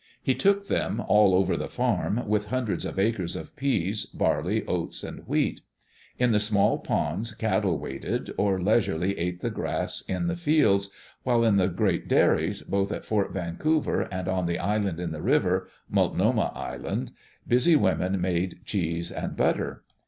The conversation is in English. He took them all over the farm, with hundreds of acres of peas, barley, oats, and wheat. In the small ponds cattle waded, or leisurely ate the grass in the fields, while in the great dairies, both at Fort Vancouver and on the island in the river — Multnomah Island — busy women Digitized by CjOOQ IC THE ADVENTURES OF THE WHITMANS made cheese and butter.